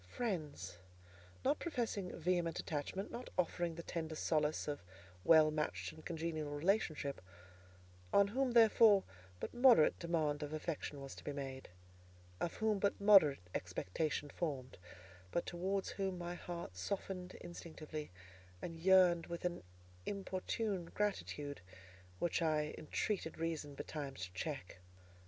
Friends, not professing vehement attachment, not offering the tender solace of well matched and congenial relationship; on whom, therefore, but moderate demand of affection was to be made, of whom but moderate expectation formed; but towards whom my heart softened instinctively, and yearned with an importunate gratitude, which I entreated Reason betimes to check.